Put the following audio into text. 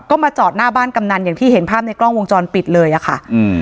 ก็มาจอดหน้าบ้านกำนันอย่างที่เห็นภาพในกล้องวงจรปิดเลยอ่ะค่ะอืม